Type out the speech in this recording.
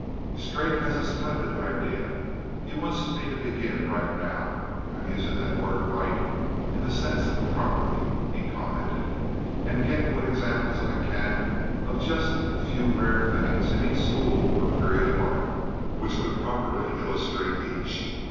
Strake has a splendid idea. He wants me to begin right now—I'm using that word 'right' in the sense of 'properly,'" he commented—"and get what examples I can of just the few rare things in each school or period of art which would properly illustrate each.